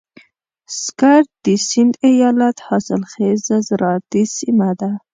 سکر د سيند ايالت حاصلخېزه زراعتي سيمه ده.